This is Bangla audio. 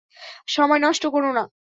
সময় নষ্ট কোরো না!